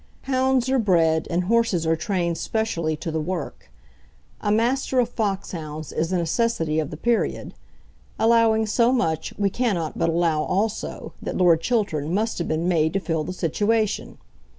Hounds are bred, and horses are trained specially to the work. A master of fox hounds is a necessity of the period. Allowing so much, we cannot but allow also that Lord Chiltern must have been made to fill the situation.